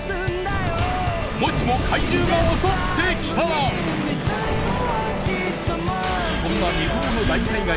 もしも怪獣が襲ってきたらそんな未曾有の大災害